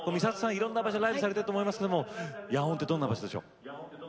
いろんな場所でライブされてると思いますけども野音ってどんな場所でしょう？